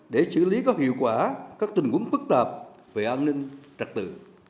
để xử lý các hiệu quả các tình huống phức tạp về an ninh trật tự